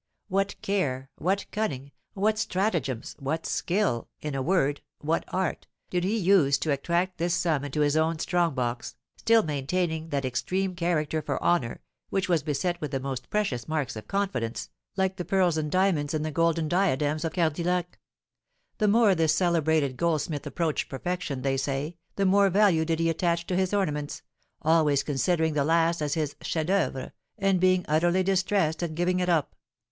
What care, what cunning, what stratagems, what skill, in a word, what art, did he use to attract this sum into his own strong box, still maintaining that extreme character for honour, which was beset with the most precious marks of confidence, like the pearls and diamonds in the golden diadems of Cardillac. The more this celebrated goldsmith approached perfection, they say, the more value did he attach to his ornaments, always considering the last as his chef d'oeuvre, and being utterly distressed at giving it up.